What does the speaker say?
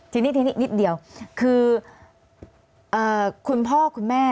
ทีนี้ทีนี้นิดเดียวคือคุณพ่อคุณแม่